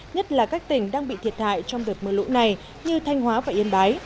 nhất là các tỉnh đang bị thiệt hại trong đợt mưa lũ này như thanh hóa và yên bái